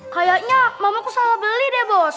kayaknya mamaku salah beli deh bos